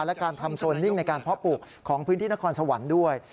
และการทำโซนนิ่งในการเพาะปลูกของพื้นที่นครสวรรค์ด้วย